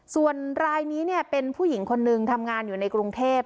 ส่วนรายนี้เป็นผู้หญิงคนนึงทำงานอยู่ในกรุงเทพ